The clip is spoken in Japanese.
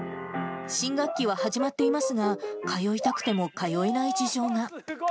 新学期は始まっていますが、通いたくても通えない事情が。